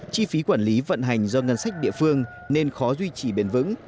chi phí quản lý vận hành do ngân sách địa phương nên khó duy trì bền vững